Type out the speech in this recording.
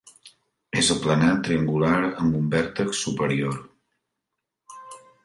És aplanat, triangular, amb un vèrtex superior.